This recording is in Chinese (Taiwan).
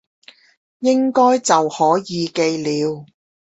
應該就可以寄了